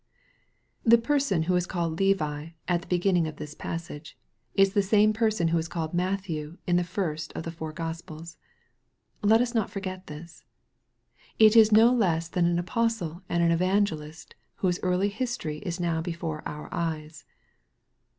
THE person who is called Levi, at the beginning of this passage, is the same person who is called Matthew in the first of the four Gospels. Let us not forget this. It is no less than an apostle and an evangelist, whose early history is now before our eyes.